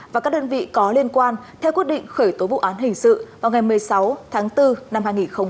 và các đơn vị có liên quan theo quyết định khởi tố vụ án hình sự vào ngày một mươi sáu tháng bốn năm hai nghìn hai mươi